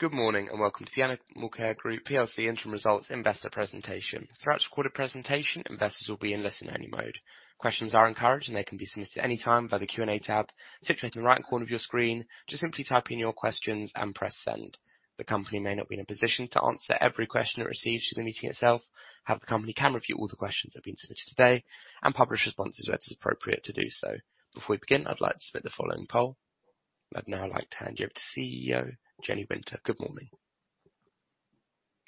Good morning, and welcome to the Animalcare Group plc Interim Results Investor Presentation. Throughout this recorded presentation, investors will be in listen-only mode. Questions are encouraged, and they can be submitted at any time via the Q&A tab situated in the right corner of your screen. Just simply type in your questions and press send. The company may not be in a position to answer every question it receives through the meeting itself, however, the company can review all the questions that have been submitted today and publish responses where it is appropriate to do so. Before we begin, I'd like to submit the following poll. I'd now like to hand you over to CEO Jenny Winter. Good morning.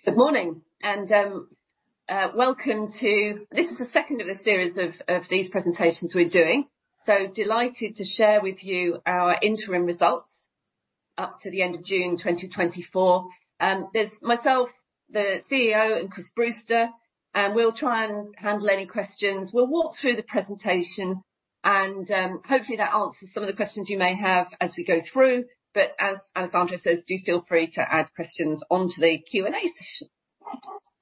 Good morning, and welcome to... This is the second of a series of these presentations we're doing. So delighted to share with you our interim results up to the end of June twenty twenty-four. There's myself, the CEO, and Chris Brewster, and we'll try and handle any questions. We'll walk through the presentation, and hopefully, that answers some of the questions you may have as we go through. But as Alessandro says, do feel free to add questions onto the Q&A session.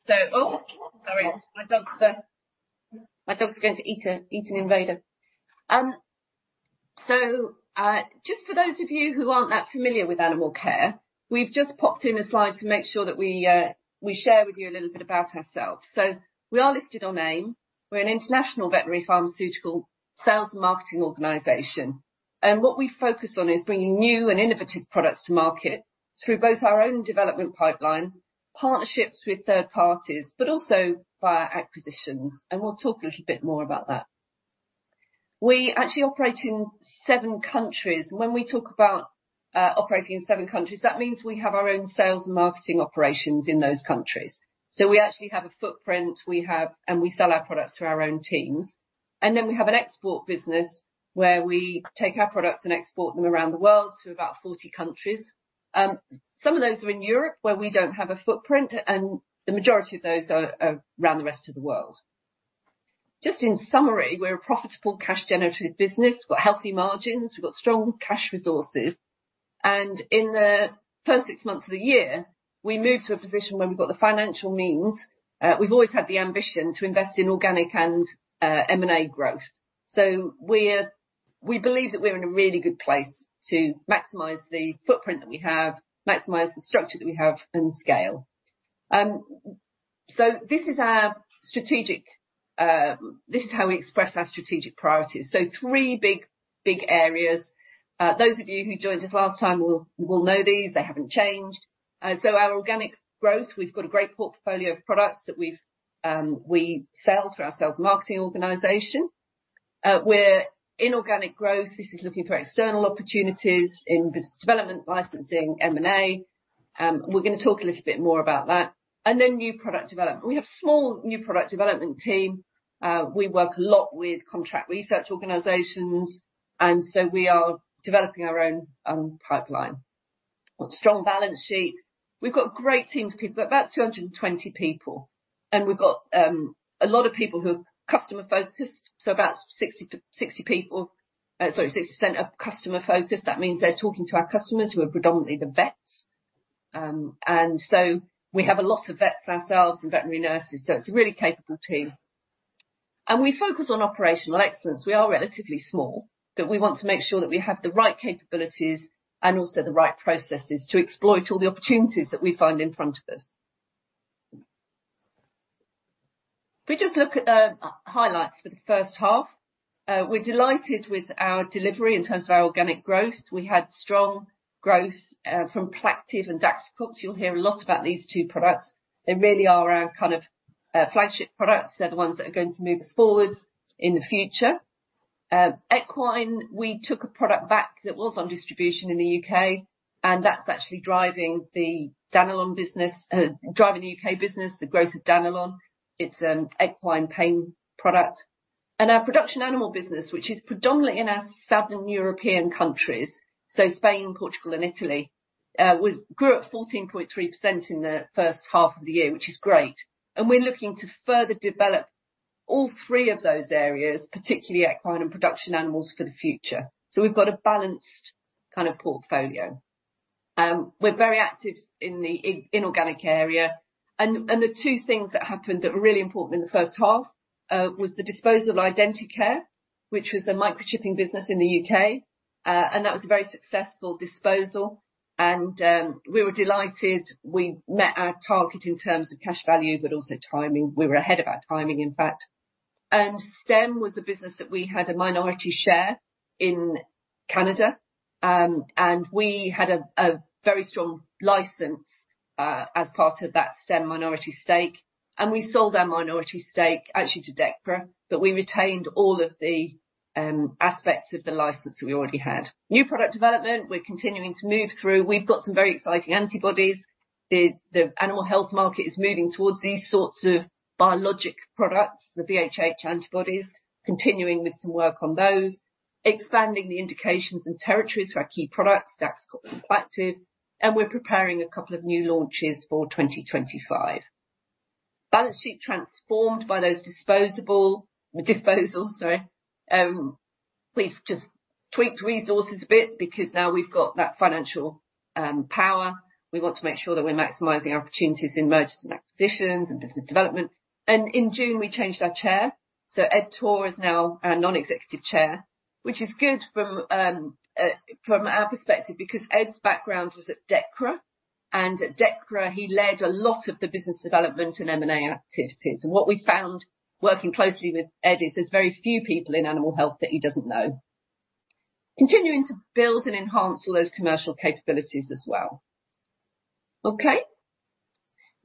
So, oh, sorry, my dog's going to eat an invader. So, just for those of you who aren't that familiar with Animalcare, we've just popped in a slide to make sure that we share with you a little bit about ourselves. So we are listed on AIM. We're an international veterinary pharmaceutical sales and marketing organization, and what we focus on is bringing new and innovative products to market through both our own development pipeline, partnerships with third parties, but also via acquisitions, and we'll talk a little bit more about that. We actually operate in seven countries. When we talk about operating in seven countries, that means we have our own sales and marketing operations in those countries. So we actually have a footprint, and we sell our products through our own teams. And then we have an export business where we take our products and export them around the world to about forty countries. Some of those are in Europe, where we don't have a footprint, and the majority of those are around the rest of the world. Just in summary, we're a profitable cash generative business. We've got healthy margins, we've got strong cash resources, and in the first six months of the year, we moved to a position where we've got the financial means. We've always had the ambition to invest in organic and M&A growth. So we believe that we're in a really good place to maximize the footprint that we have, maximize the structure that we have, and scale. So this is how we express our strategic priorities. So three big, big areas. Those of you who joined us last time will know these. They haven't changed. So our organic growth, we've got a great portfolio of products that we sell through our sales and marketing organization. Our inorganic growth. This is looking for external opportunities in business development, licensing, M&A. We're gonna talk a little bit more about that. Then new product development. We have a small new product development team. We work a lot with contract research organizations, and so we are developing our own pipeline. Strong balance sheet. We've got a great team of people, about 220 people, and we've got a lot of people who are customer-focused, so about 60% are customer-focused. That means they're talking to our customers, who are predominantly the vets. And so we have a lot of vets ourselves and veterinary nurses, so it's a really capable team. We focus on operational excellence. We are relatively small, but we want to make sure that we have the right capabilities and also the right processes to exploit all the opportunities that we find in front of us. If we just look at the highlights for the first half, we're delighted with our delivery in terms of our organic growth. We had strong growth from Plaqtiv+ and Daxocox. You'll hear a lot about these two products. They really are our kind of flagship products. They're the ones that are going to move us forwards in the future. Equine, we took a product back that was on distribution in the UK, and that's actually driving the Danilon business, driving the UK business, the growth of Danilon. It's an equine pain product. Our production animal business, which is predominantly in our Southern European countries, so Spain, Portugal, and Italy, grew at 14.3% in the first half of the year, which is great. And we're looking to further develop all three of those areas, particularly equine and production animals for the future. So we've got a balanced kind of portfolio. We're very active in the inorganic area, and the two things that happened that were really important in the first half was the disposal of Identicare, which was a microchipping business in the UK, and that was a very successful disposal, and we were delighted. We met our target in terms of cash value, but also timing. We were ahead of our timing, in fact. And Stem was a business that we had a minority share in Canada, and we had a very strong license as part of that Stem minority stake, and we sold our minority stake actually to Dechra, but we retained all of the aspects of the license that we already had. New product development, we're continuing to move through. We've got some very exciting antibodies. The animal health market is moving towards these sorts of biologic products, the VHH antibodies, continuing with some work on those, expanding the indications and territories for our key products, Daxocox and Plaqtiv+, and we're preparing a couple of new launches for 2025. Balance sheet transformed by those disposals, sorry, we've just tweaked resources a bit because now we've got that financial power. We want to make sure that we're maximizing our opportunities in mergers and acquisitions and business development. In June, we changed our chair, so Ed Torr is now our Non-Executive Chair. Which is good from our perspective, because Ed's background was at Dechra, and at Dechra, he led a lot of the business development and M&A activities. And what we found working closely with Ed is there's very few people in animal health that he doesn't know. Continuing to build and enhance all those commercial capabilities as well. Okay?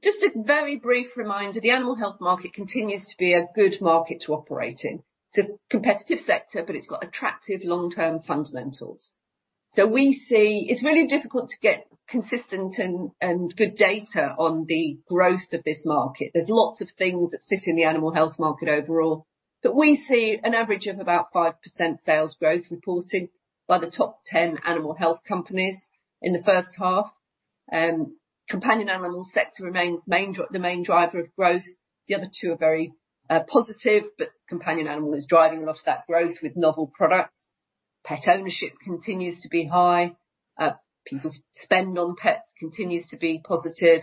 Just a very brief reminder, the animal health market continues to be a good market to operate in. It's a competitive sector, but it's got attractive long-term fundamentals. It's really difficult to get consistent and good data on the growth of this market. There's lots of things that sit in the animal health market overall, but we see an average of about 5% sales growth reported by the top 10 animal health companies in the first half. Companion animal sector remains the main driver of growth. The other two are very positive, but companion animal is driving a lot of that growth with novel products. Pet ownership continues to be high. People's spend on pets continues to be positive.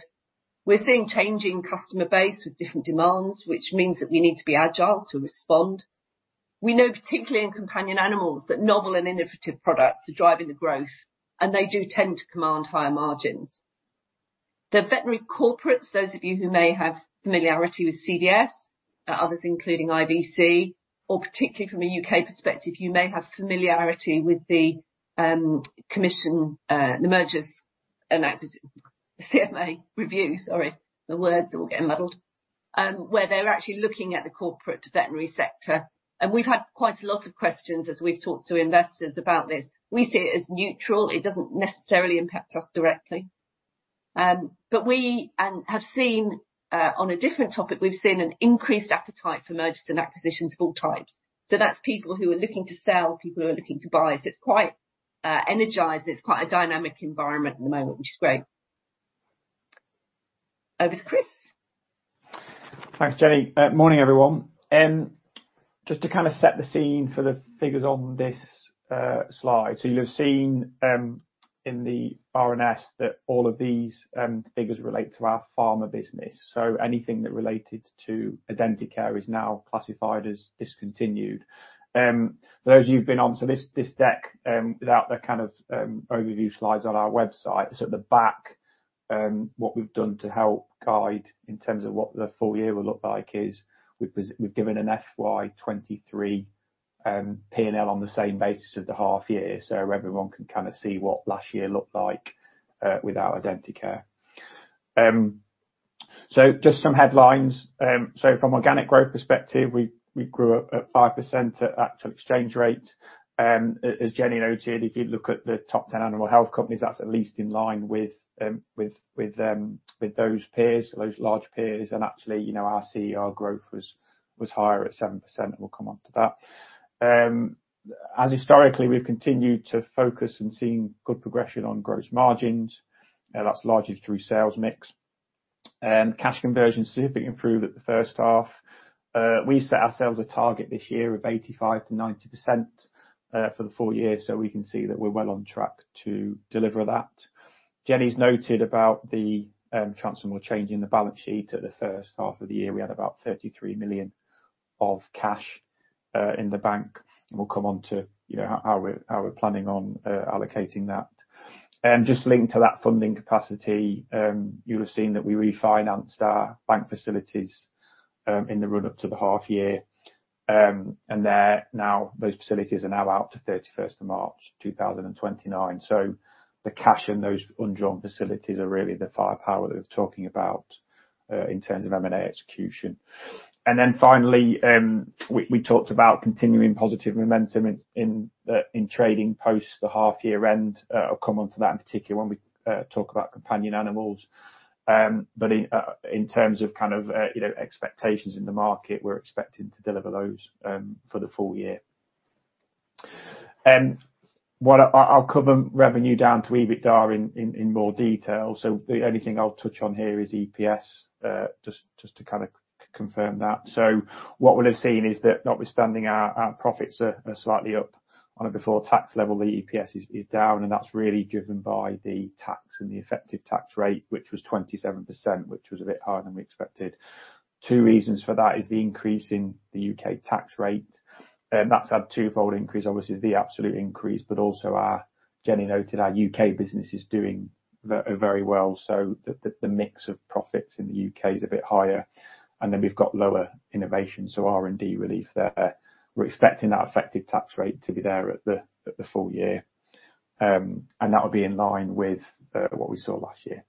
We're seeing changing customer base with different demands, which means that we need to be agile to respond. We know, particularly in companion animals, that novel and innovative products are driving the growth, and they do tend to command higher margins. The veterinary corporates, those of you who may have familiarity with CVS, others, including IVC, or particularly from a UK perspective, you may have familiarity with the commission, the mergers and acquisition, CMA review, sorry. The words are all getting muddled. Where they're actually looking at the corporate veterinary sector. And we've had quite a lot of questions as we've talked to investors about this. We see it as neutral. It doesn't necessarily impact us directly. But we have seen, on a different topic, we've seen an increased appetite for mergers and acquisitions of all types. So that's people who are looking to sell, people who are looking to buy. So it's quite energized, it's quite a dynamic environment at the moment, which is great. Over to Chris. Thanks, Jenny. Morning, everyone. Just to kind of set the scene for the figures on this slide. So you'll have seen in the RNS that all of these figures relate to our pharma business, so anything that related to Identicare is now classified as discontinued. For those of you who've been on, so this deck without the kind of overview slides on our website, so at the back, what we've done to help guide in terms of what the full year will look like is we've given an FY 2023 P&L on the same basis as the half year, so everyone can kind of see what last year looked like without Identicare. So just some headlines. So from organic growth perspective, we grew up at 5% at actual exchange rate. As Jenny noted, if you look at the top ten animal health companies, that's at least in line with those peers, those large peers, and actually, you know, our CER growth was higher at 7%, and we'll come on to that. As historically, we've continued to focus and seeing good progression on gross margins, that's largely through sales mix. Cash conversion significantly improved at the first half. We set ourselves a target this year of 85%-90% for the full year, so we can see that we're well on track to deliver that. Jenny's noted about the transformational change in the balance sheet at the first half of the year. We had about 33 million of cash in the bank, and we'll come on to, you know, how we're planning on allocating that. Just linked to that funding capacity, you'll have seen that we refinanced our bank facilities in the run-up to the half year. And they're now, those facilities are now out to thirty-first of March, two thousand and twenty-nine. So the cash in those undrawn facilities are really the firepower that we're talking about in terms of M&A execution. And then finally, we talked about continuing positive momentum in trading post the half year end. I'll come on to that in particular when we talk about companion animals. But in terms of kind of, you know, expectations in the market, we're expecting to deliver those for the full year. What I'll cover revenue down to EBITDA in more detail. So the only thing I'll touch on here is EPS, just to kind of confirm that. So what we'll have seen is that notwithstanding our profits are slightly up. On a before tax level, the EPS is down, and that's really driven by the tax and the effective tax rate, which was 27%, which was a bit higher than we expected. Two reasons for that is the increase in the U.K. tax rate, that's had a twofold increase, obviously, is the absolute increase, but also our – Jenny noted our U.K. business is doing very well, so the mix of profits in the U.K. is a bit higher, and then we've got lower innovation, so R&D relief there. We're expecting that effective tax rate to be there at the full year, and that would be in line with what we saw last year.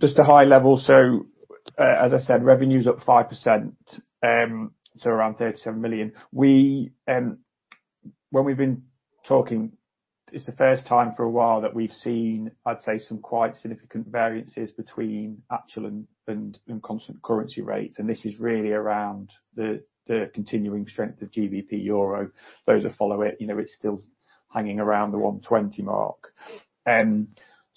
Just a high level. As I said, revenue's up 5%, so around 37 million. We, when we've been talking, it's the first time for a while that we've seen, I'd say, some quite significant variances between actual and constant currency rates, and this is really around the continuing strength of GBP euro. Those that follow it, you know, it's still hanging around the one twenty mark.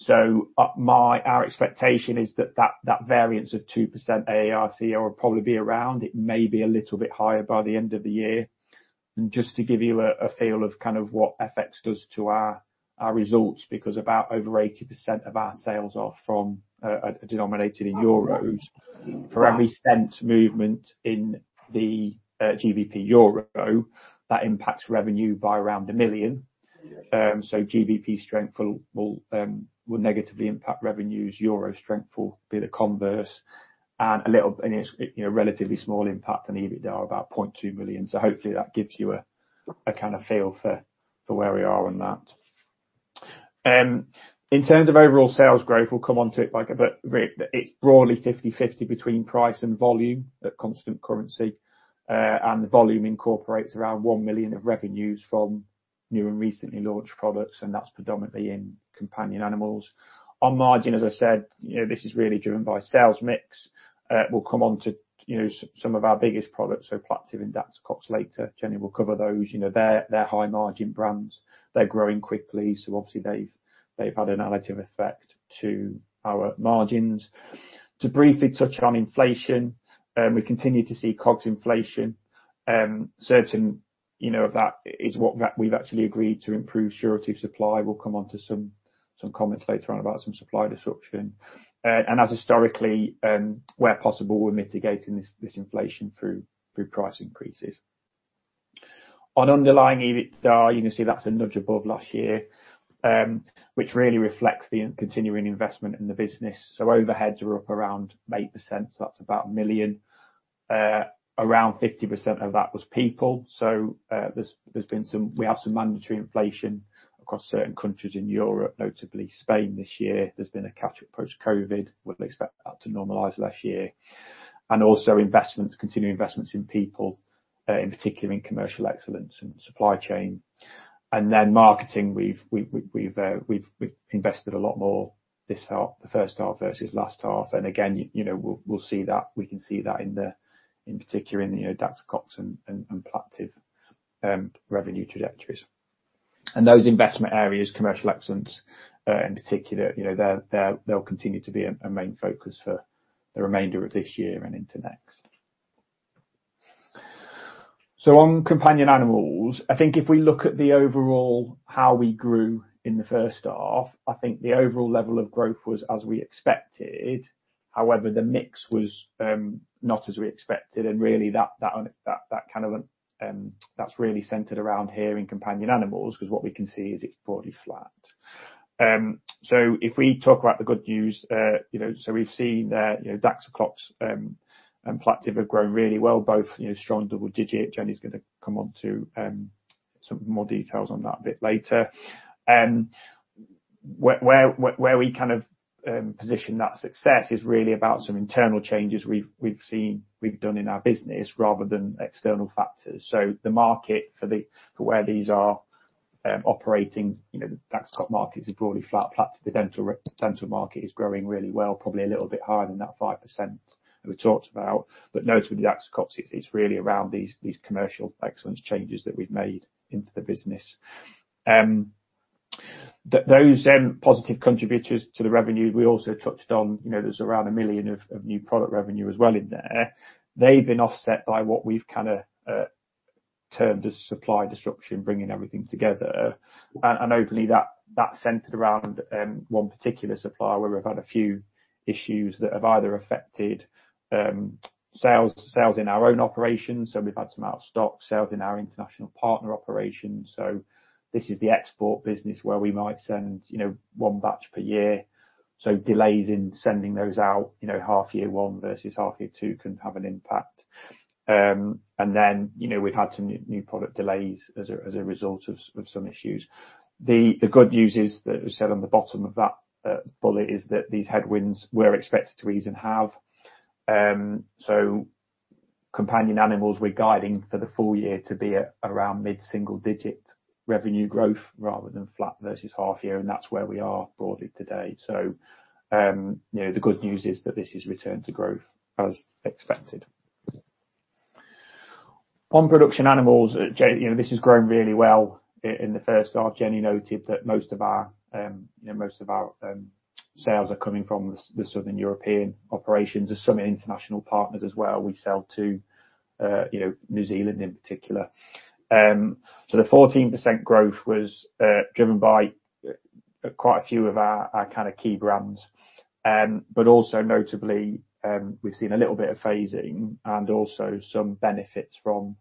Our expectation is that variance of 2% AER will probably be around. It may be a little bit higher by the end of the year, and just to give you a feel of kind of what FX does to our results, because about over 80% of our sales are from denominated in euros. For every cent movement in the GBP euro, that impacts revenue by around 1 million. So GBP strength will negatively impact revenues, euro strength will be the converse, and it's, you know, relatively small impact on EBITDA, about 0.2 million. So hopefully that gives you a kind of feel for where we are on that. In terms of overall sales growth, we'll come on to it a bit, but it's broadly fifty-fifty between price and volume, at constant currency. And the volume incorporates around 1 million of revenues from new and recently launched products, and that's predominantly in companion animals. On margin, as I said, you know, this is really driven by sales mix. We'll come on to, you know, some of our biggest products, so Plaqtiv+ and Daxocox, later. Jenny will cover those, you know, they're high margin brands. They're growing quickly, so obviously they've had a negative effect to our margins. To briefly touch on inflation, we continue to see COGS inflation, certain, you know, of that is what we've actually agreed to improve surety of supply. We'll come on to some comments later on about some supply disruption. And as historically, where possible, we're mitigating this inflation through price increases. On underlying EBITDA, you can see that's a nudge above last year, which really reflects the continuing investment in the business, so overheads are up around 8%, so that's about 1 million. Around 50% of that was people, so we have some mandatory inflation across certain countries in Europe, notably Spain this year. There's been a catch-up approach to COVID. Would expect that to normalize last year. And also investments, continuing investments in people, in particular in commercial excellence and supply chain. And then marketing, we've invested a lot more this half, the first half versus last half, and again, you know, we'll see that. We can see that in particular in the, you know, Daxocox and Plaqtiv+ revenue trajectories. And those investment areas, commercial excellence, in particular, you know, they'll continue to be a main focus for the remainder of this year and into next. So on companion animals, I think if we look at the overall, how we grew in the first half, I think the overall level of growth was as we expected. However, the mix was not as we expected, and really that kind of that's really centered around here in companion animals, because what we can see is it's broadly flat. So if we talk about the good news, you know, so we've seen, you know, Daxocox and Plaqtiv+ have grown really well, both, you know, strong double-digit. Jenny's gonna come on to some more details on that a bit later. Where we kind of position that success is really about some internal changes we've seen, we've done in our business, rather than external factors. So the market for the where these are operating, you know, Daxocox market is broadly flat. Plaqtiv+, the dental market is growing really well, probably a little bit higher than that 5% that we talked about. But notably Daxocox, it's really around these commercial excellence changes that we've made into the business. Those then positive contributors to the revenue, we also touched on, you know, there's around 1 million of new product revenue as well in there. They've been offset by what we've kind of termed as supply disruption, bringing everything together. And openly, that centered around one particular supplier, where we've had a few issues that have either affected sales in our own operations, so we've had some out of stock sales in our international partner operations. So this is the export business, where we might send, you know, one batch per year. So delays in sending those out, you know, half year one versus half year two can have an impact. And then, you know, we've had some new product delays as a result of some issues. The good news is, that we said on the bottom of that bullet, is that these headwinds were expected to ease and have. So Companion Animals, we're guiding for the full year to be around mid-single digit revenue growth rather than flat versus half year, and that's where we are broadly today. So, you know, the good news is that this has returned to growth as expected. On production animals, you know, this has grown really well in the first half. Jenny noted that most of our sales are coming from the Southern European operations. There's some international partners as well. We sell to New Zealand in particular. So the 14% growth was driven by quite a few of our key brands. But also notably, we've seen a little bit of phasing and also some benefits from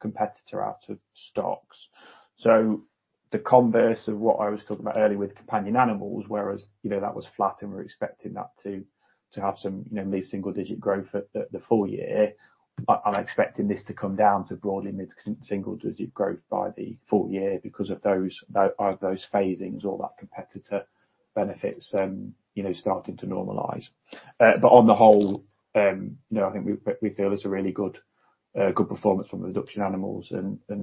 competitor out of stocks. So the converse of what I was talking about earlier with Companion Animals, whereas that was flat and we're expecting that to have some mid-single digit growth at the full year. I'm expecting this to come down to broadly mid single digit growth by the full year because of those phasings or that competitor benefits, you know, starting to normalize, but on the whole, you know, I think we feel it's a really good performance from the production animals, and I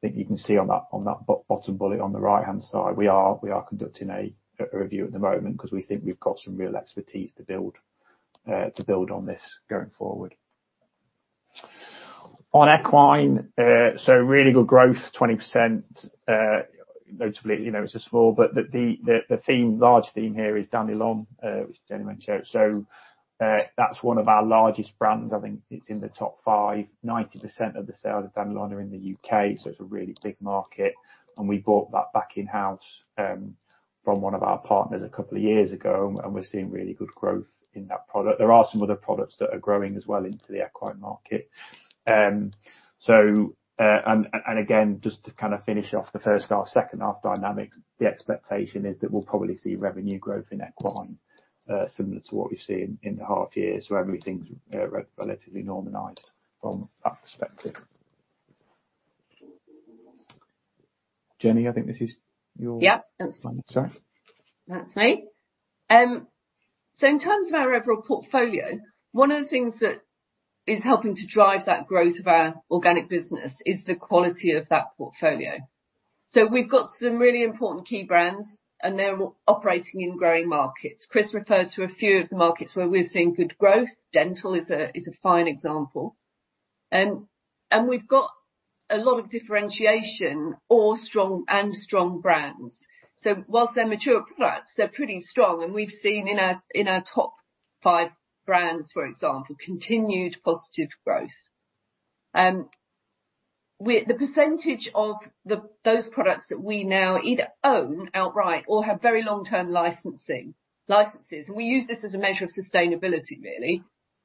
think you can see on that bottom bullet on the right-hand side, we are conducting a review at the moment, 'cause we think we've got some real expertise to build on this going forward. On Equine, so really good growth, 20%, notably, you know, it's a small, but the large theme here is Danilon, which Jenny mentioned. So, that's one of our largest brands. I think it's in the top five. 90% of the sales of Danilon are in the UK, so it's a really big market, and we bought that back in-house, from one of our partners a couple of years ago, and we're seeing really good growth in that product. There are some other products that are growing as well into the equine market, and again, just to kind of finish off the first half, second half dynamics, the expectation is that we'll probably see revenue growth in equine, similar to what we've seen in the half year. So everything's, relatively normalized from that perspective. Jenny, I think this is your- Yeah. Sorry. That's me. So in terms of our overall portfolio, one of the things that is helping to drive that growth of our organic business is the quality of that portfolio. So we've got some really important key brands, and they're operating in growing markets. Chris referred to a few of the markets where we're seeing good growth. Dental is a fine example. And we've got a lot of differentiation or strong brands. So whilst they're mature products, they're pretty strong, and we've seen in our top five brands, for example, continued positive growth. The percentage of those products that we now either own outright or have very long-term licensing licenses, and we use this as a measure of sustainability, really,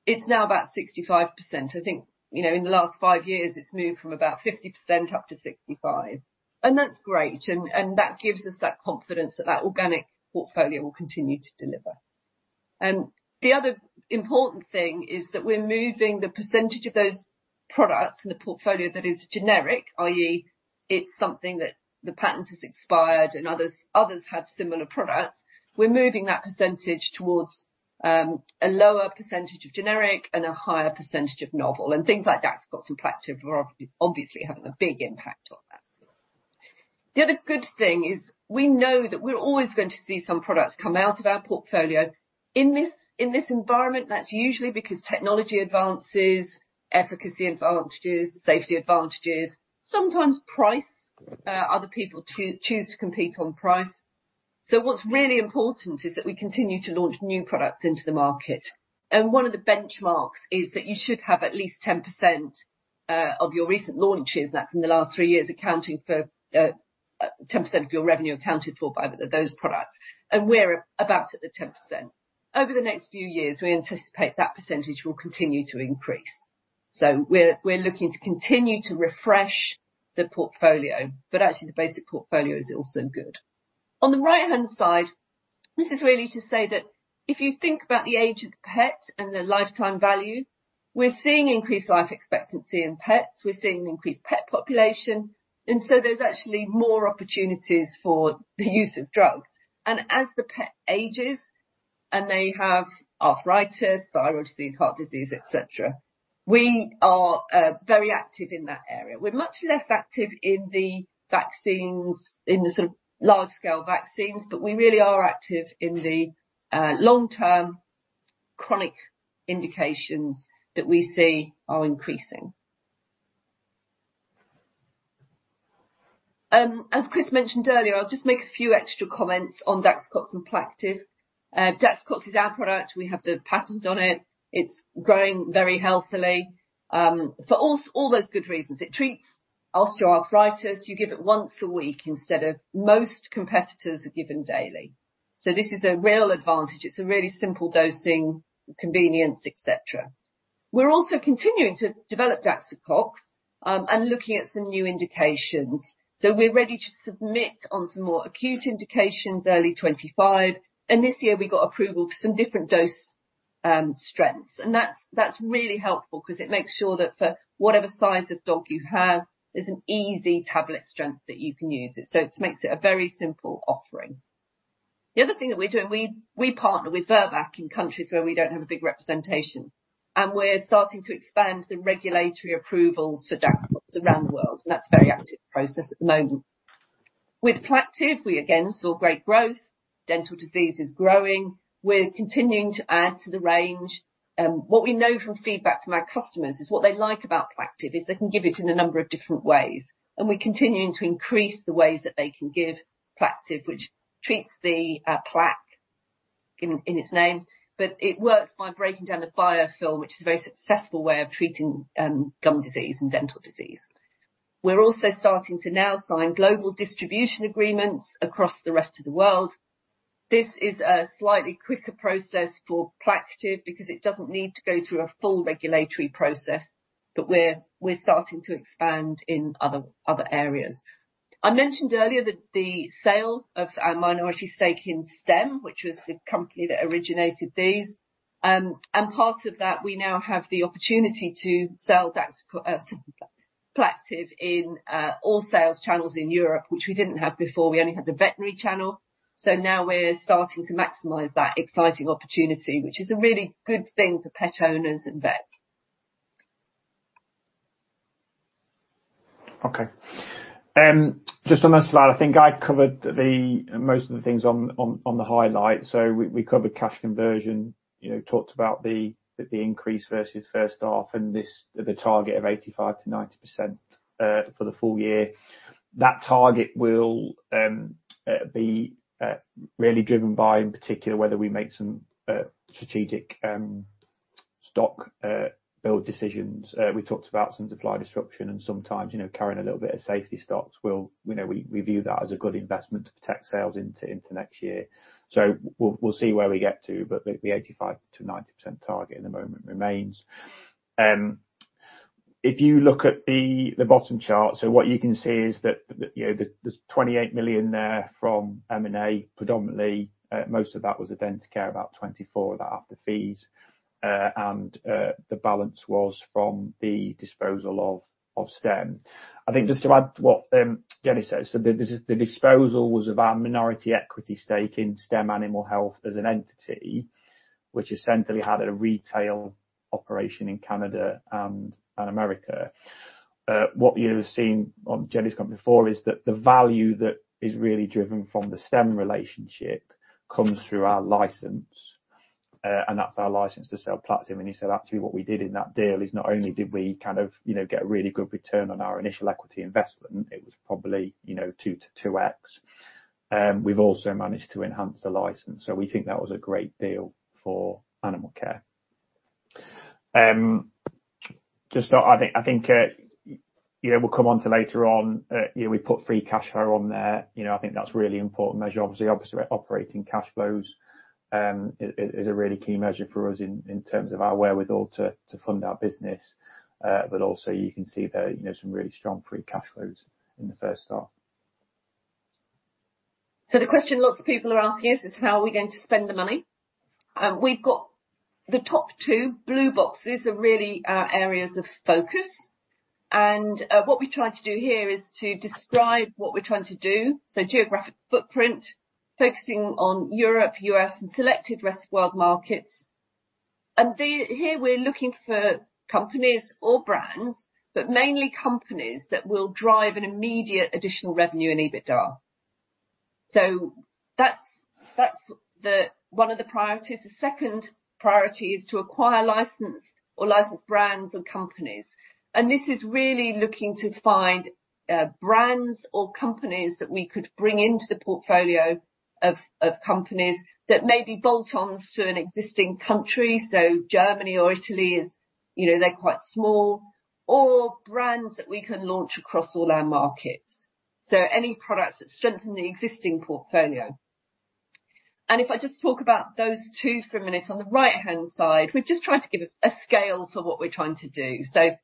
it's now about 65%. I think, you know, in the last five years, it's moved from about 50% up to 65%, and that's great, and that gives us that confidence that that organic portfolio will continue to deliver. The other important thing is that we're moving the percentage of those products in the portfolio that is generic, i.e., it's something that the patent has expired and others have similar products. We're moving that percentage towards a lower percentage of generic and a higher percentage of novel, and things like that, like Plaqtiv+, are obviously having a big impact on that. The other good thing is we know that we're always going to see some products come out of our portfolio. In this environment, that's usually because technology advances, efficacy advances, safety advantages, sometimes price, other people choose to compete on price. What's really important is that we continue to launch new products into the market. One of the benchmarks is that you should have at least 10% of your recent launches, that's in the last three years, accounting for 10% of your revenue accounted for by those products, and we're about at the 10%. Over the next few years, we anticipate that percentage will continue to increase. We're looking to continue to refresh the portfolio, but actually, the basic portfolio is also good. On the right-hand side, this is really to say that if you think about the age of the pet and the lifetime value, we're seeing increased life expectancy in pets, we're seeing an increased pet population, and so there's actually more opportunities for the use of drugs. As the pet ages, and they have arthritis, thyroid disease, heart disease, et cetera, we are very active in that area. We're much less active in the vaccines, in the sort of large-scale vaccines, but we really are active in the long-term chronic indications that we see are increasing. As Chris mentioned earlier, I'll just make a few extra comments on Daxocox and Plaqtiv+. Daxocox is our product. We have the patent on it. It's growing very healthily, for all those good reasons. It treats osteoarthritis. You give it once a week instead of most competitors are given daily. So this is a real advantage. It's a really simple dosing, convenience, et cetera. We're also continuing to develop Daxocox, and looking at some new indications. We're ready to submit on some more acute indications, early twenty-five, and this year we got approval for some different dose strengths. And that's really helpful because it makes sure that for whatever size of dog you have, there's an easy tablet strength that you can use it. So it makes it a very simple offering. The other thing that we're doing, we partner with Virbac in countries where we don't have a big representation, and we're starting to expand the regulatory approvals for Daxocox around the world, and that's a very active process at the moment. With Plaqtiv+, we again saw great growth. Dental disease is growing. We're continuing to add to the range. What we know from feedback from our customers is what they like about Plaqtiv+, is they can give it in a number of different ways, and we're continuing to increase the ways that they can give Plaqtiv+, which treats the plaque in its name, but it works by breaking down the biofilm, which is a very successful way of treating gum disease and dental disease. We're also starting to now sign global distribution agreements across the rest of the world. This is a slightly quicker process for Plaqtiv+ because it doesn't need to go through a full regulatory process, but we're starting to expand in other areas. I mentioned earlier that the sale of our minority stake in Stem, which was the company that originated these, and part of that, we now have the opportunity to sell Plaqtiv+ in all sales channels in Europe, which we didn't have before. We only had the veterinary channel. So now we're starting to maximize that exciting opportunity, which is a really good thing for pet owners and vets. Okay. Just on that slide, I think I covered the most of the things on the highlight. So we covered cash conversion, you know, talked about the increase versus first half and the target of 85%-90%, for the full year. That target will be really driven by, in particular, whether we make some strategic stock build decisions. We talked about some supply disruption and sometimes, you know, carrying a little bit of safety stocks. You know, we view that as a good investment to protect sales into next year. So we'll see where we get to, but the 85%-90% target in the moment remains. If you look at the bottom chart, what you can see is that you know there's 28 million there from M&A, predominantly, most of that was Identicare, about 24 million of that, after fees. And the balance was from the disposal of Stem. I think just to add to what Jenny says, the disposal was of our minority equity stake in Stem Animal Health as an entity, which essentially had a retail operation in Canada and America. What you've seen on Jenny's comment before is that the value that is really driven from the Stem relationship comes through our license, and that's our license to sell Plaqtiv+. You said actually, what we did in that deal is not only did we kind of, you know, get a really good return on our initial equity investment, it was probably, you know, 2-2x. We've also managed to enhance the license, so we think that was a great deal for Animalcare. Just, I think, you know, we'll come on to later on, you know, we put free cash flow on there. You know, I think that's a really important measure. Obviously, operating cash flows is a really key measure for us in terms of our wherewithal to fund our business. But also you can see there, you know, some really strong free cash flows in the first half. So the question lots of people are asking us is how are we going to spend the money? We've got the top two blue boxes are really our areas of focus. And what we've tried to do here is to describe what we're trying to do. So geographic footprint, focusing on Europe, U.S., and selected rest of world markets. And here, we're looking for companies or brands, but mainly companies that will drive an immediate additional revenue and EBITDA. So that's the one of the priorities. The second priority is to acquire license or licensed brands or companies. And this is really looking to find brands or companies that we could bring into the portfolio of companies that may be bolt-ons to an existing country. Germany or Italy is, you know, they're quite small, or brands that we can launch across all our markets. So any products that strengthen the existing portfolio. And if I just talk about those two for a minute, on the right-hand side, we're just trying to give a scale for what we're trying to do. So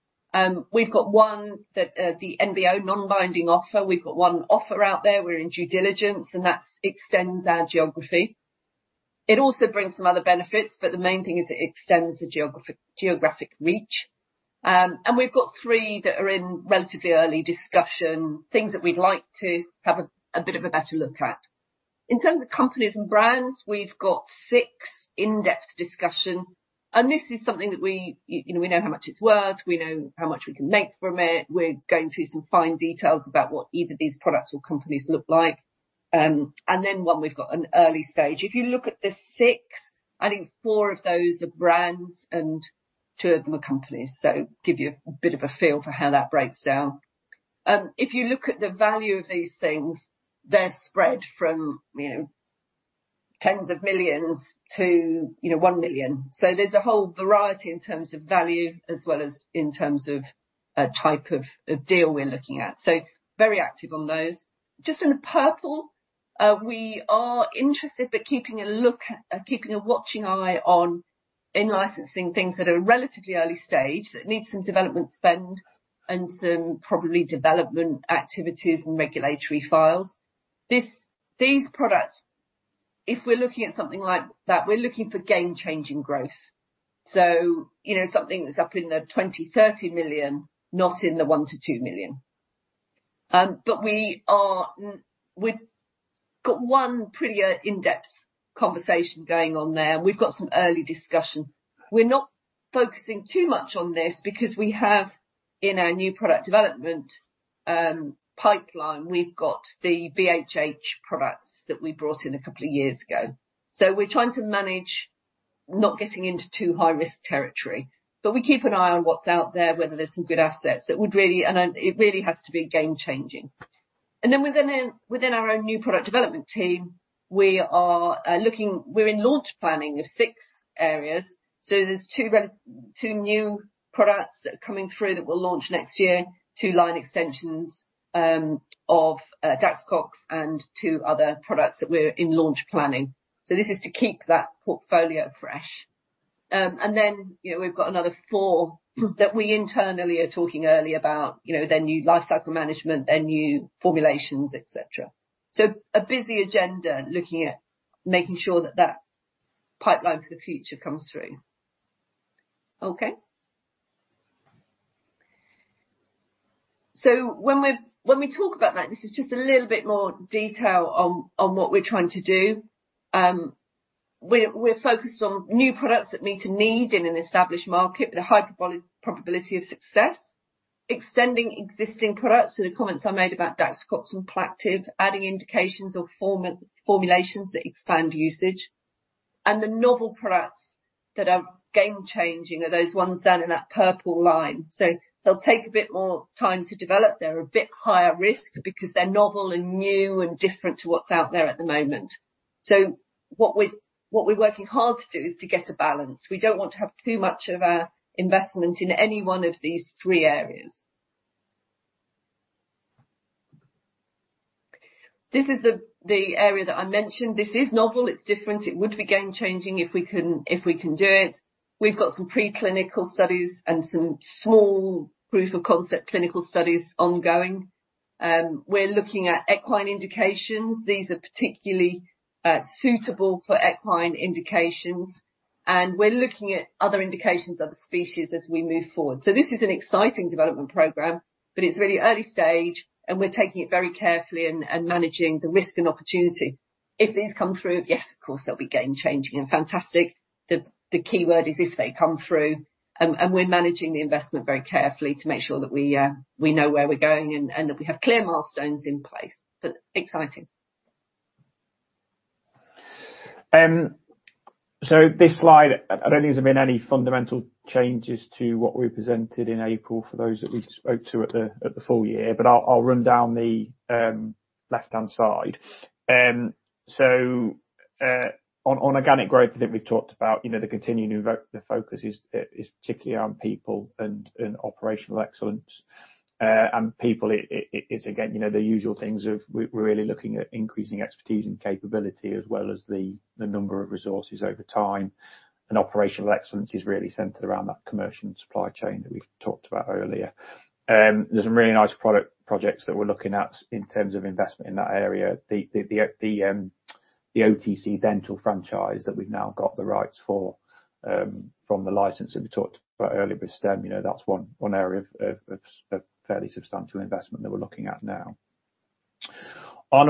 we've got one that, the NBO, non-binding offer, we've got one offer out there. We're in due diligence, and that extends our geography. It also brings some other benefits, but the main thing is it extends the geographic reach. And we've got three that are in relatively early discussion, things that we'd like to have a bit of a better look at. In terms of companies and brands, we've got six in-depth discussions, and this is something that we, you know, we know how much it's worth, we know how much we can make from it. We're going through some fine details about what either these products or companies look like. And then one, we've got an early stage. If you look at the six, I think four of those are brands and two of them are companies. So give you a bit of a feel for how that breaks down. If you look at the value of these things, they're spread from, you know, tens of millions to, you know, one million. So there's a whole variety in terms of value, as well as in terms of a type of deal we're looking at. So very active on those. Just in the pipeline, we are interested, but keeping a look at keeping a watching eye on in-licensing things that are relatively early stage, that need some development spend and some probably development activities and regulatory files. These products, if we're looking at something like that, we're looking for game-changing growth. So you know, something that's up in the 20 million-30 million, not in the 1 million-2 million. But we are, we've got one pretty in-depth conversation going on there, and we've got some early discussion. We're not focusing too much on this because we have in our new product development pipeline, we've got the VHH products that we brought in a couple of years ago. So we're trying to manage not getting into too high-risk territory, but we keep an eye on what's out there, whether there's some good assets that would really... And then, it really has to be game-changing. And then within our own new product development team, we are looking. We're in launch planning of six areas. So there's two new products that are coming through that we'll launch next year, two line extensions of Daxocox and two other products that we're in launch planning. So this is to keep that portfolio fresh. And then, you know, we've got another four that we internally are talking early about, you know, their new lifecycle management, their new formulations, et cetera. So a busy agenda, looking at making sure that that pipeline for the future comes through. Okay? So when we talk about that, this is just a little bit more detail on what we're trying to do. We're focused on new products that meet a need in an established market with a high probability of success, extending existing products. So the comments I made about Daxocox and Plaqtiv+, adding indications or formulations that expand usage, and the novel products that are game-changing are those ones down in that purple line. So they'll take a bit more time to develop. They're a bit higher risk because they're novel and new and different to what's out there at the moment. So what we're working hard to do is to get a balance. We don't want to have too much of our investment in any one of these three areas. This is the area that I mentioned. This is novel, it's different. It would be game changing if we can do it. We've got some preclinical studies and some small proof-of-concept clinical studies ongoing. We're looking at equine indications. These are particularly suitable for equine indications, and we're looking at other indications of the species as we move forward. So this is an exciting development program, but it's really early stage, and we're taking it very carefully and managing the risk and opportunity. If these come through, yes, of course, they'll be game changing and fantastic. The key word is, if they come through, and we're managing the investment very carefully to make sure that we know where we're going and that we have clear milestones in place, but exciting. So this slide, I don't think there's been any fundamental changes to what we presented in April for those that we spoke to at the full year. But I'll run down the left-hand side. So on organic growth, I think we've talked about, you know, the focus is particularly on people and operational excellence. And people, it's again, you know, the usual things of we're really looking at increasing expertise and capability as well as the number of resources over time. And operational excellence is really centered around that commercial and supply chain that we've talked about earlier. There's some really nice product projects that we're looking at in terms of investment in that area. The OTC dental franchise that we've now got the rights for from the license that we talked about earlier with Stem, you know, that's one area of fairly substantial investment that we're looking at now. On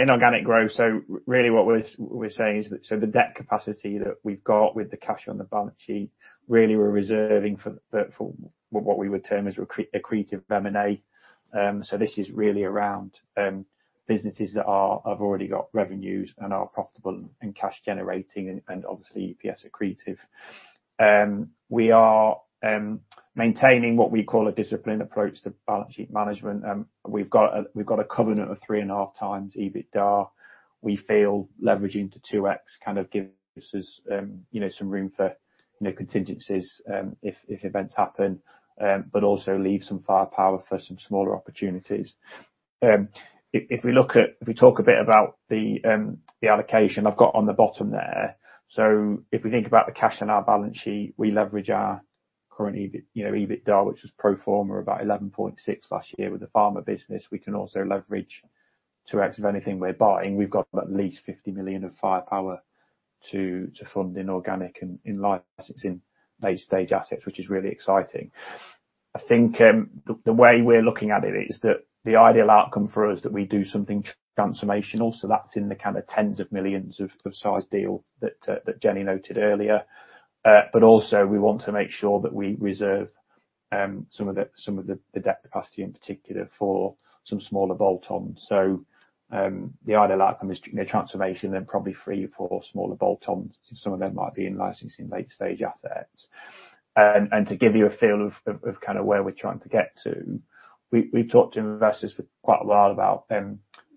inorganic growth, so really what we're saying is that. So the debt capacity that we've got with the cash on the balance sheet, really, we're reserving for what we would term as accretive M&A. So this is really around businesses that have already got revenues and are profitable and cash generating and obviously, yes, accretive. We are maintaining what we call a disciplined approach to balance sheet management. We've got a covenant of 3.5x EBITDA. We feel leveraging to 2x kind of gives us, you know, some room for, you know, contingencies, if events happen, but also leave some firepower for some smaller opportunities. If we talk a bit about the allocation I've got on the bottom there. So if we think about the cash on our balance sheet, we leverage our current EBITDA, you know, EBITDA, which was pro forma about 11.6 million last year. With the pharma business, we can also leverage to 2x of anything we're buying. We've got at least 50 million of firepower to fund inorganic and in-licensing late-stage assets, which is really exciting. I think the way we're looking at it is that the ideal outcome for us is that we do something transformational, so that's in the kind of tens of millions of size deal that Jenny noted earlier. But also we want to make sure that we reserve some of the debt capacity, in particular, for some smaller bolt-ons. So the ideal outcome is the transformation, then probably three or four smaller bolt-ons. Some of them might be in licensing late-stage assets. And to give you a feel of kind of where we're trying to get to, we've talked to investors for quite a while about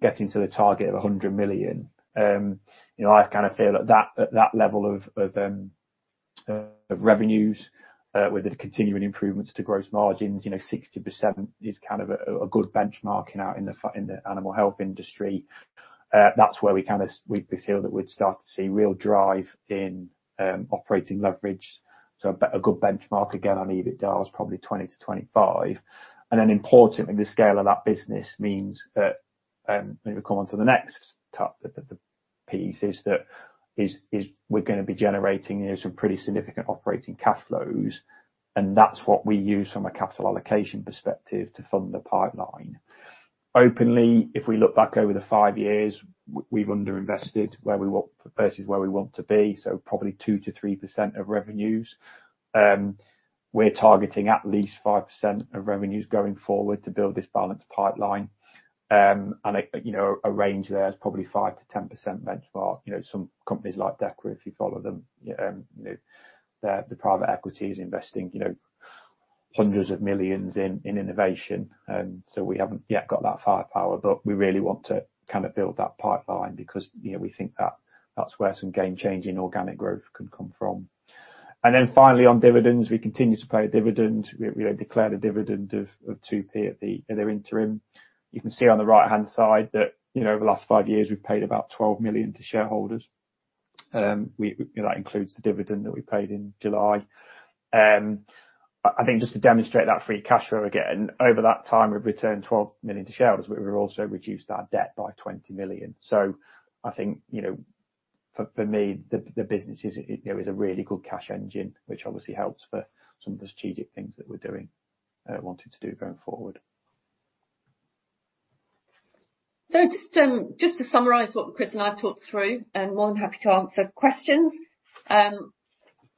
getting to the target of 100 million. You know, I kind of feel at that, at that level of revenues, with the continuing improvements to gross margins, you know, 60% is kind of a good benchmark in our, in the animal health industry. That's where we kind of, we feel that we'd start to see real drive in operating leverage. So a good benchmark, again, on EBITDA is probably 20%-25%. And then importantly, the scale of that business means that, if we come on to the next topic, the piece is that we're gonna be generating some pretty significant operating cash flows, and that's what we use from a capital allocation perspective to fund the pipeline. Honestly, if we look back over the five years, we've underinvested where we want versus where we want to be, so probably 2%-3% of revenues. We're targeting at least 5% of revenues going forward to build this balanced pipeline. And a range there is probably 5%-10% benchmark. You know, some companies like Dechra, if you follow them, you know, the private equity is investing, you know, hundreds of millions in innovation. So we haven't yet got that firepower, but we really want to kind of build that pipeline because, you know, we think that that's where some game-changing organic growth can come from. And then finally, on dividends, we continue to pay a dividend. We declared a dividend of 2.0 at the interim. You can see on the right-hand side that, you know, over the last five years, we've paid about 12 million to shareholders. We that includes the dividend that we paid in July. I think just to demonstrate that free cash flow again, over that time, we've returned 12 million to shareholders, but we've also reduced our debt by 20 million. So I think, you know, for me, the business is, you know, is a really good cash engine, which obviously helps for some of the strategic things that we're doing, wanting to do going forward. So just to summarize what Chris and I talked through, and more than happy to answer questions.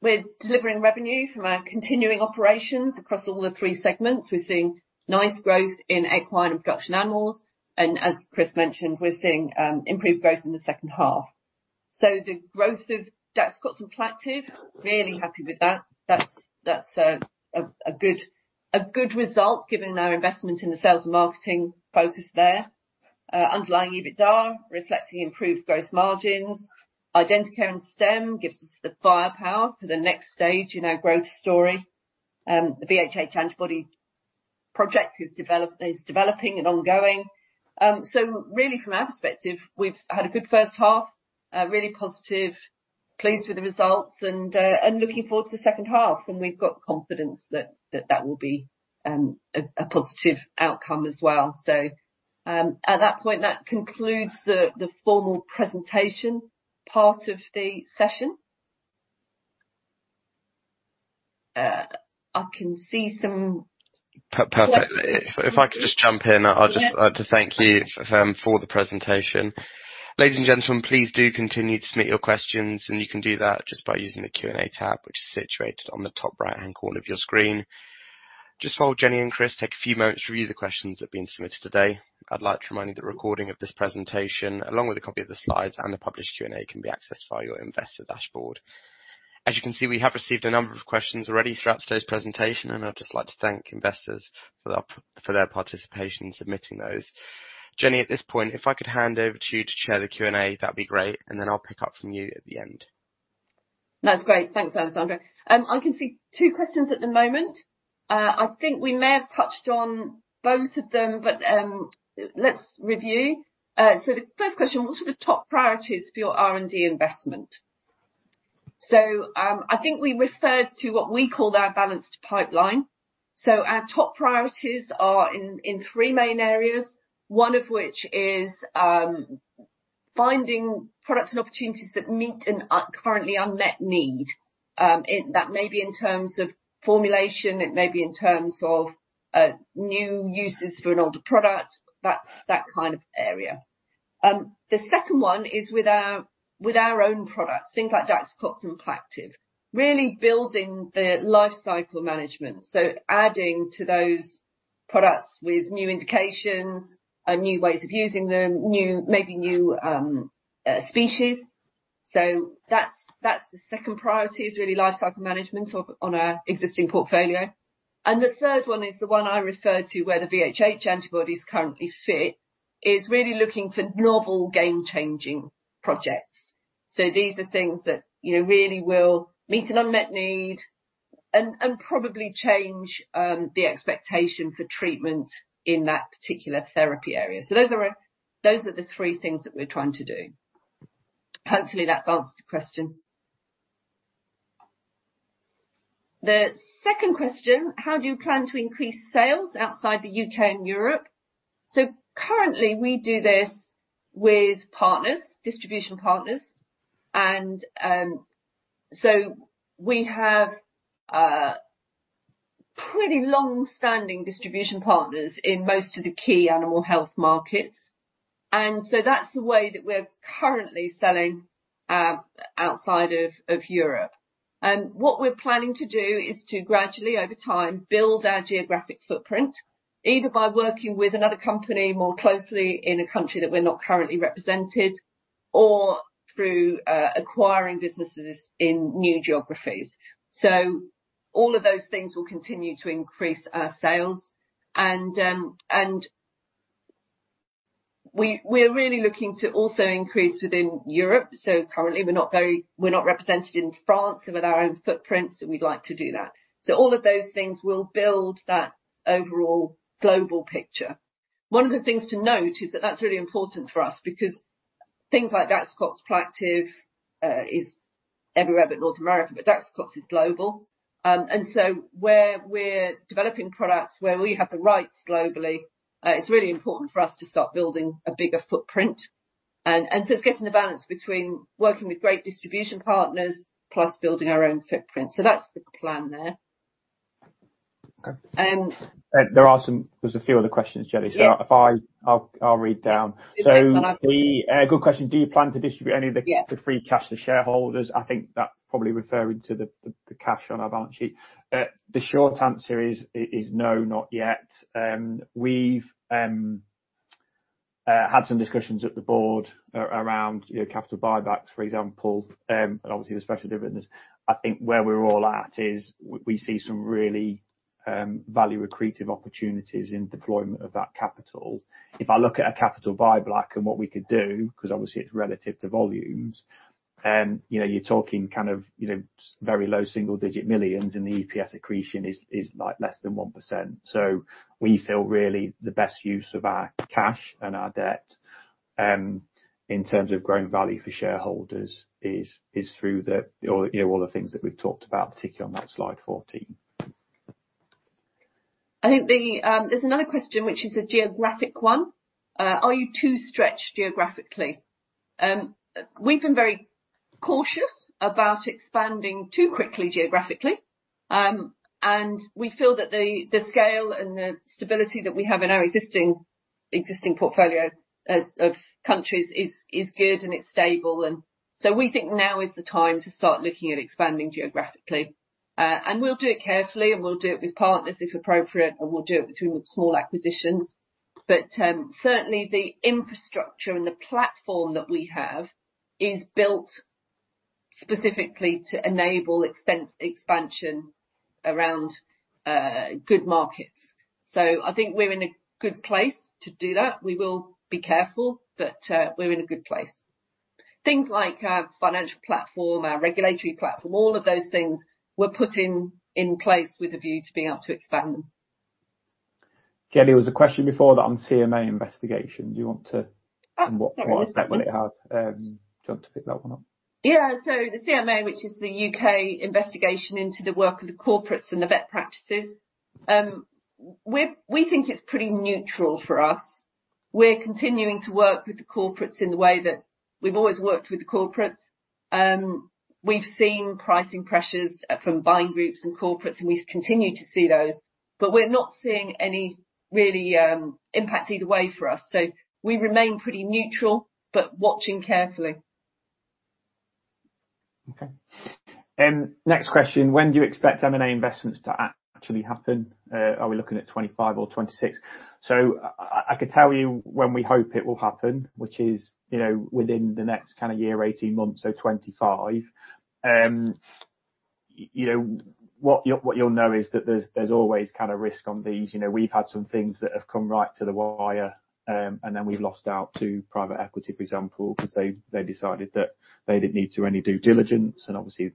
We're delivering revenue from our continuing operations across all three segments. We're seeing nice growth in equine and production animals, and as Chris mentioned, we're seeing improved growth in the second half. So the growth of Daxocox and Plaqtiv+, really happy with that. That's a good result, given our investment in the sales and marketing focus there. Underlying EBITDA, reflecting improved gross margins. Identicare and Stem gives us the firepower for the next stage in our growth story. The VHH antibody project is developing and ongoing. So really, from our perspective, we've had a good first half, really positive, pleased with the results, and looking forward to the second half, and we've got confidence that will be a positive outcome as well. So, at that point, that concludes the formal presentation part of the session. I can see some- Perfect. If I could just jump in, I'll just- Yeah. To thank you for the presentation. Ladies and gentlemen, please do continue to submit your questions, and you can do that just by using the Q&A tab, which is situated on the top right-hand corner of your screen. Just while Jenny and Chris take a few moments to review the questions that have been submitted today, I'd like to remind you that recording of this presentation, along with a copy of the slides and the published Q&A, can be accessed via your investor dashboard. As you can see, we have received a number of questions already throughout today's presentation, and I'd just like to thank investors for their participation in submitting those. Jenny, at this point, if I could hand over to you to chair the Q&A, that'd be great, and then I'll pick up from you at the end. That's great. Thanks, Alessandro. I can see two questions at the moment. I think we may have touched on both of them, but let's review. So the first question: "What are the top priorities for your R&D investment?" I think we referred to what we call our balanced pipeline. Our top priorities are in three main areas, one of which is finding products and opportunities that meet an currently unmet need. That may be in terms of formulation, it may be in terms of new uses for an older product, that kind of area. The second one is with our own products, things like Daxocox and Plaqtiv+, really building the lifecycle management. So adding to those products with new indications, new ways of using them, maybe new species. So that's the second priority, is really lifecycle management on our existing portfolio. And the third one is the one I referred to, where the VHH antibodies currently fit, is really looking for novel, game-changing projects. So these are things that, you know, really will meet an unmet need and probably change the expectation for treatment in that particular therapy area. So those are the three things that we're trying to do. Hopefully, that's answered the question. The second question: "How do you plan to increase sales outside the UK and Europe?" So currently, we do this with partners, distribution partners, and so we have pretty long-standing distribution partners in most of the key animal health markets, and so that's the way that we're currently selling outside of Europe. And what we're planning to do is to gradually, over time, build our geographic footprint, either by working with another company more closely in a country that we're not currently represented, or through acquiring businesses in new geographies. So all of those things will continue to increase our sales, and we, we're really looking to also increase within Europe. So currently, we're not represented in France with our own footprints, and we'd like to do that. So all of those things will build that overall global picture. One of the things to note is that that's really important for us, because things like Daxocox, Plaqtiv+, is everywhere but North America, but Daxocox is global. And so where we're developing products, where we have the rights globally, it's really important for us to start building a bigger footprint, and so it's getting the balance between working with great distribution partners plus building our own footprint. So that's the plan there. Okay. And- There are a few other questions, Jenny. Yeah. So if I... I'll read down. Yeah. So the good question: "Do you plan to distribute any of the- Yeah -the free cash to shareholders?" I think that's probably referring to the cash on our balance sheet. The short answer is no, not yet. We've had some discussions at the board around, you know, capital buybacks, for example, and obviously the special dividends. I think where we're all at is we see some really value-accretive opportunities in deployment of that capital. If I look at a capital buyback and what we could do, because obviously it's relative to volumes, you know, you're talking kind of very low single-digit millions, and the EPS accretion is like less than 1%. So we feel really the best use of our cash and our debt, in terms of growing value for shareholders, is through, or you know, all the things that we've talked about, particularly on that slide 14. I think there's another question, which is a geographic one. "Are you too stretched geographically?" We've been very cautious about expanding too quickly geographically. And we feel that the scale and the stability that we have in our existing portfolio of countries is good and it's stable, and so we think now is the time to start looking at expanding geographically. And we'll do it carefully, and we'll do it with partners, if appropriate, and we'll do it between small acquisitions. But certainly, the infrastructure and the platform that we have is built specifically to enable expansion around good markets. So I think we're in a good place to do that. We will be careful, but we're in a good place. Things like our financial platform, our regulatory platform, all of those things were put in place with a view to being able to expand them. Jenny, there was a question before that on CMA investigation. Do you want to? Ah, sorry. What impact it might have. Do you want to pick that one up? Yeah, so the CMA, which is the U.K. investigation into the work of the corporates and the vet practices, we think it's pretty neutral for us. We're continuing to work with the corporates in the way that we've always worked with the corporates. We've seen pricing pressures from buying groups and corporates, and we continue to see those, but we're not seeing any really impact either way for us, so we remain pretty neutral, but watching carefully. Okay. Next question: When do you expect M&A investments to actually happen? Are we looking at twenty-five or twenty-six? So I could tell you when we hope it will happen, which is, you know, within the next kind of year, eighteen months, so twenty-five. You know, what you'll know is that there's always kind of risk on these. You know, we've had some things that have come right to the wire, and then we've lost out to private equity, for example, 'cause they decided that they didn't need to do any due diligence. And obviously,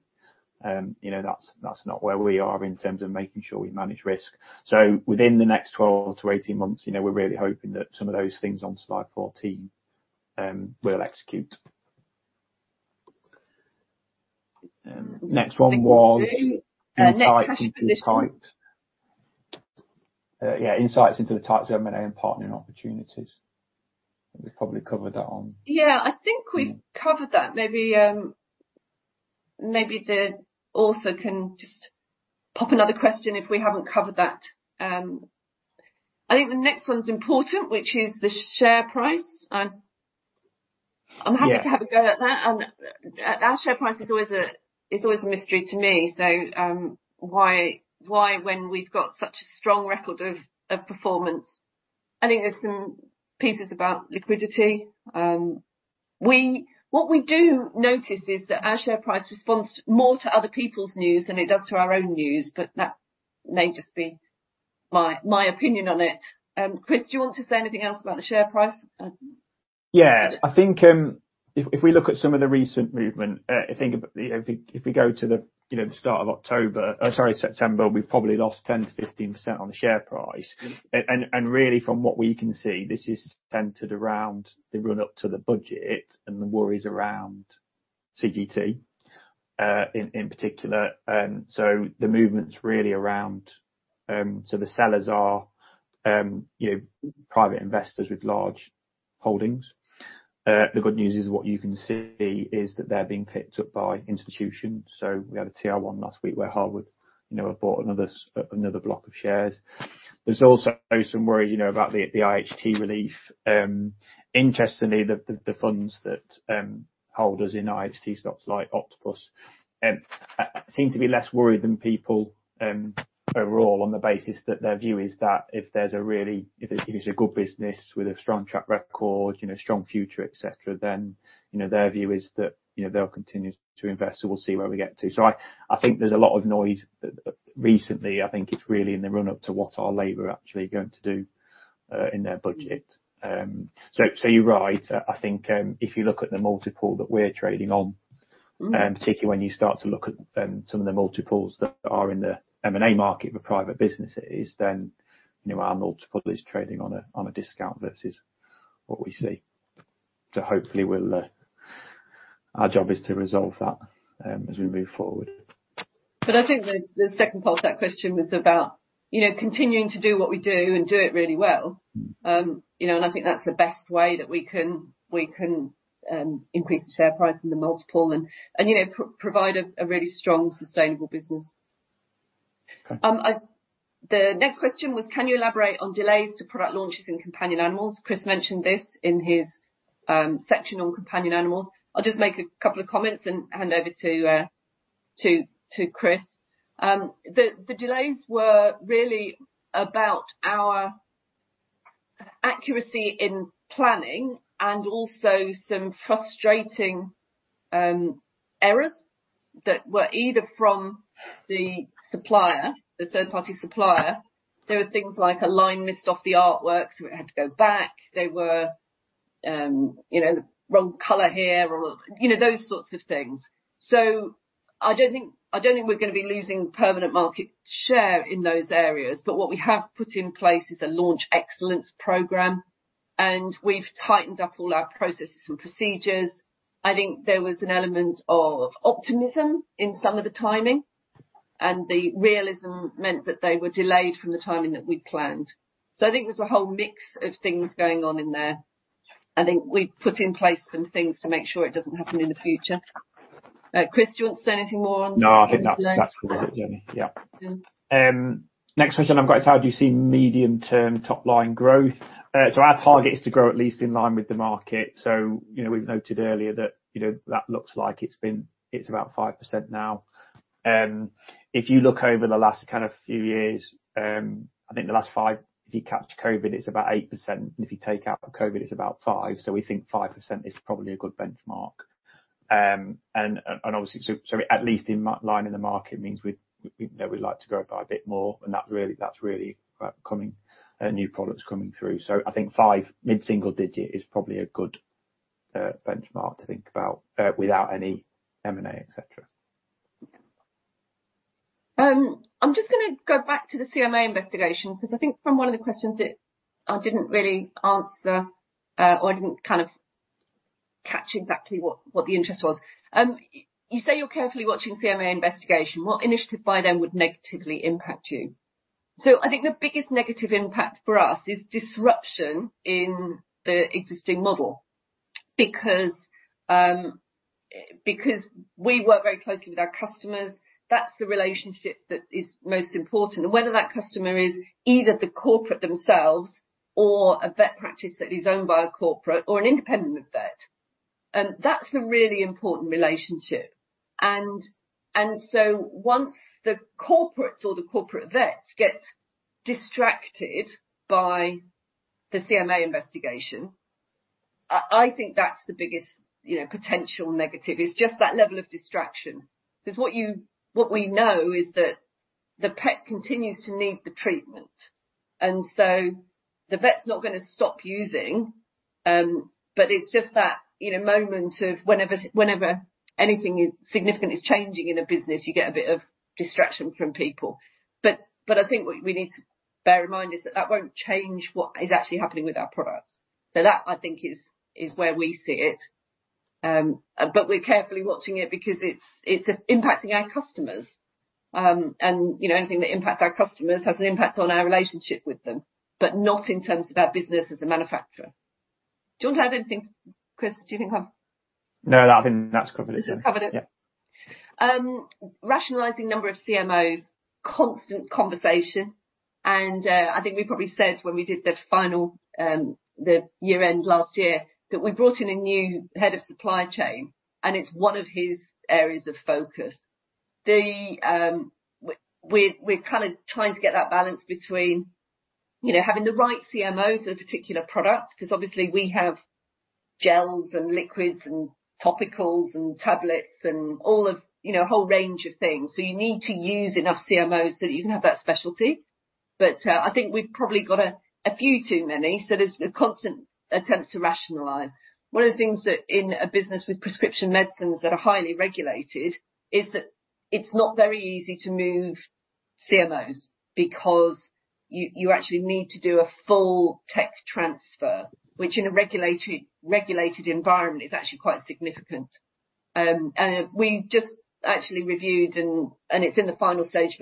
you know, that's not where we are in terms of making sure we manage risk. So within the next twelve to eighteen months, you know, we're really hoping that some of those things on slide fourteen will execute. Next one was- Next question. Insights into the types of M&A and partnering opportunities. We've probably covered that on- Yeah, I think we've covered that. Maybe, maybe the author can just pop another question if we haven't covered that. I think the next one's important, which is the share price. I'm happy- Yeah... to have a go at that. Our share price is always a mystery to me, so why when we've got such a strong record of performance? I think there's some pieces about liquidity. What we do notice is that our share price responds more to other people's news than it does to our own news, but that may just be my opinion on it. Chris, do you want to say anything else about the share price? Yeah. I think, if we look at some of the recent movement, I think if we go to the, you know, start of October, sorry, September, we've probably lost 10%-15% on the share price. And really, from what we can see, this is centered around the run-up to the budget and the worries around CGT, in particular. So the movement's really around. So the sellers are, you know, private investors with large holdings. The good news is, what you can see, is that they're being picked up by institutions. So we had a TR-1 last week where Harwood, you know, have bought another block of shares. There's also some worry, you know, about the IHT relief. Interestingly, the funds that holders in IHT stocks like Octopus seem to be less worried than people overall, on the basis that their view is that if it's a good business with a strong track record, you know, strong future, et cetera, then, you know, their view is that, you know, they'll continue to invest, so we'll see where we get to. I think there's a lot of noise recently. I think it's really in the run-up to what Labour are actually going to do in their budget. So, you're right. I think if you look at the multiple that we're trading on- Mm-hmm... particularly when you start to look at, some of the multiples that are in the M&A market for private businesses, then, you know, our multiple is trading on a discount versus what we see. So hopefully, we'll... Our job is to resolve that, as we move forward. But I think the second part of that question was about, you know, continuing to do what we do and do it really well. You know, and I think that's the best way that we can increase the share price and the multiple and, you know, provide a really strong, sustainable business. Okay. The next question was: Can you elaborate on delays to product launches in companion animals? Chris mentioned this in his section on companion animals. I'll just make a couple of comments and hand over to Chris. The delays were really about our accuracy in planning and also some frustrating errors that were either from the supplier, the third-party supplier. There were things like a line missed off the artwork, so it had to go back. They were you know, wrong color here or, you know, those sorts of things. So I don't think we're gonna be losing permanent market share in those areas, but what we have put in place is a launch excellence program, and we've tightened up all our processes and procedures. I think there was an element of optimism in some of the timing-... And the realism meant that they were delayed from the timing that we'd planned. So I think there's a whole mix of things going on in there. I think we've put in place some things to make sure it doesn't happen in the future. Chris, do you want to say anything more on delays? No, I think that's, that's covered it, Jenny. Yeah. Yeah. Next question I've got is: How do you see medium-term top-line growth? So our target is to grow at least in line with the market. So, you know, we've noted earlier that, you know, that looks like it's been. It's about 5% now. If you look over the last kind of few years, I think the last five, if you count COVID, it's about 8%, and if you take out COVID, it's about 5%. So we think 5% is probably a good benchmark. And, and obviously. So, so at least in line in the market means we, we, you know, we'd like to grow by a bit more, and that really, that's really, coming, new products coming through. So I think five, mid-single digit, is probably a good, benchmark to think about, without any M&A, et cetera. I'm just gonna go back to the CMA investigation, because I think from one of the questions that I didn't really answer, or I didn't kind of catch exactly what the interest was. You say you're carefully watching CMA investigation. What initiative by them would negatively impact you? So I think the biggest negative impact for us is disruption in the existing model, because we work very closely with our customers, that's the relationship that is most important. And whether that customer is either the corporate themselves or a vet practice that is owned by a corporate or an independent vet, that's the really important relationship. And so once the corporates or the corporate vets get distracted by the CMA investigation, I think that's the biggest, you know, potential negative, is just that level of distraction. Because what we know is that the pet continues to need the treatment, and so the vet's not gonna stop using, but it's just that, in a moment of whenever anything is significant is changing in a business, you get a bit of distraction from people. But I think what we need to bear in mind is that that won't change what is actually happening with our products. So that, I think, is where we see it. But we're carefully watching it because it's impacting our customers. And, you know, anything that impacts our customers has an impact on our relationship with them, but not in terms of our business as a manufacturer. Do you want to add anything, Chris? Do you think I've- No, I think that's covered it. You've covered it? Yeah. Rationalizing number of CMOs, constant conversation, and, I think we probably said when we did the final, the year end last year, that we brought in a new head of supply chain, and it's one of his areas of focus. The... We're kind of trying to get that balance between, you know, having the right CMO for the particular product, because obviously, we have gels and liquids and topicals and tablets and all of, you know, a whole range of things. So you need to use enough CMOs so that you can have that specialty. But, I think we've probably got a few too many, so there's a constant attempt to rationalize. One of the things that in a business with prescription medicines that are highly regulated is that it's not very easy to move CMOs because you actually need to do a full tech transfer, which in a regulated environment is actually quite significant, and we just actually reviewed and it's in the final stage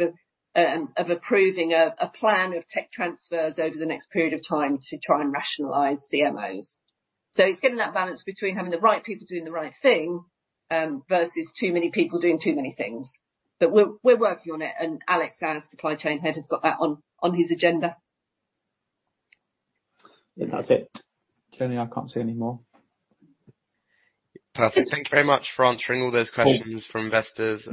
of approving a plan of tech transfers over the next period of time to try and rationalize CMOs, so it's getting that balance between having the right people doing the right thing versus too many people doing too many things, but we're working on it, and Alex, our supply chain head, has got that on his agenda. I think that's it. Jenny, I can't see any more. Perfect. Thank you very much for answering all those questions from investors.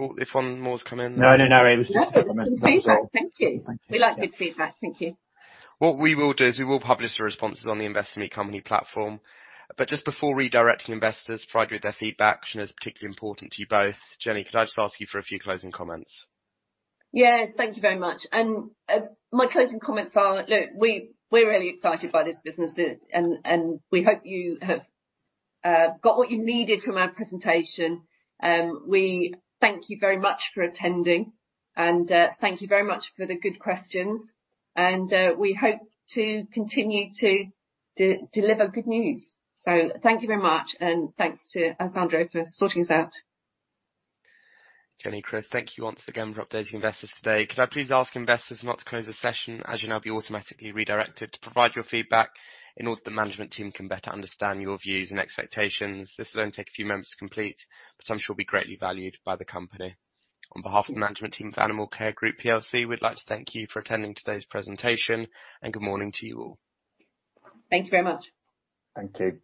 Oh, if one more has come in- No, no, no. That's good feedback. Thank you. Thank you. We like good feedback. Thank you. What we will do is we will publish the responses on the Investor Meet Company platform, but just before redirecting investors, provide with their feedback, which is particularly important to you both, Jenny. Could I just ask you for a few closing comments? Yes, thank you very much. And my closing comments are, look, we're really excited by this business, and we hope you have got what you needed from our presentation. We thank you very much for attending, and thank you very much for the good questions, and we hope to continue to deliver good news. So thank you very much, and thanks to Alessandro for sorting us out. Jenny, Chris, thank you once again for updating investors today. Could I please ask investors not to close the session, as you'll now be automatically redirected to provide your feedback in order the management team can better understand your views and expectations. This will only take a few moments to complete, but I'm sure will be greatly valued by the company. On behalf of the management team for Animalcare Group plc, we'd like to thank you for attending today's presentation, and good morning to you all. Thank you very much. Thank you.